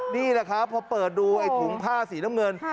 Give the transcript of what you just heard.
นี่แหละครับพอเปิดดูไอ้ถุงผ้าสีน้ำเงิน